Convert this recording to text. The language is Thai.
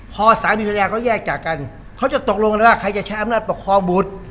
พอสามีภรรยาเขาแยกจากกันเขาจะตกลงกันว่าใครจะใช้อำนาจปกครองบุตร